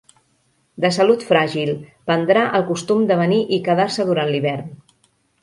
De salut fràgil, prendrà el costum de venir i quedar-se durant l'hivern.